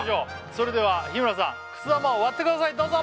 それでは日村さんくす玉を割ってくださいどうぞ！